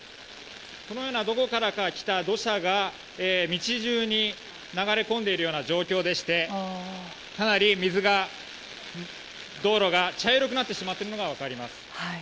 このようなどこからかきた土砂が道中に流れ込んでいる状況でかなり道路が茶色くなってしまっているのが分かります。